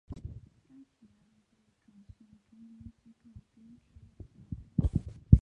该提案被转送中央机构编制委员会。